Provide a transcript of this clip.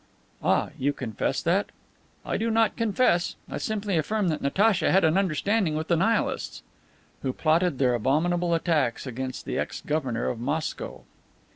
"Ah, you confess that?" "I do not confess; I simply affirm that Natacha had an understanding with the Nihilists." "Who plotted their abominable attacks against the ex Governor of Moscow."